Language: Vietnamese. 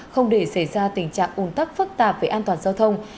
không để xảy ra tình trạng ủn tắc phức tạp về an toàn giao thông